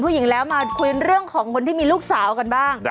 ผู้หญิงแล้วมาคุยเรื่องของคนที่มีลูกสาวกันบ้าง